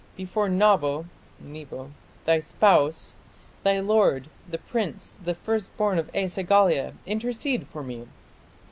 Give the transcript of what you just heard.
Before Nabu (Nebo) thy spouse, thy lord, the prince, the first born of E sagila, intercede for me!